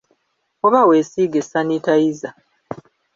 Oba weesiige sanitayiza.